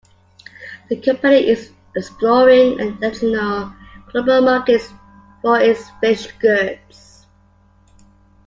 The company is exploring additional global markets for its fish goods.